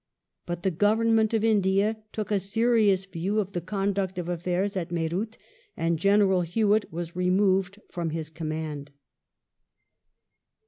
^ But the Government of India took a serious view of the conduct of affairs at Meerut and General Hewitt was removed from his command.